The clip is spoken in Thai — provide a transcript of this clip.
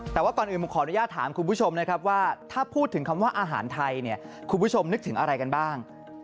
แต่ว่าก่อนอื่นผมขออนุญาตถามคุณผู้ชมนะครับว่าถ้าพูดถึงคำว่าอาหารไทยเนี่ยคุณผู้ชมนึกถึงอะไรกันบ้าง